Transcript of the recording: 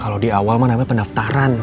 kalau di awal mah namanya pendaftaran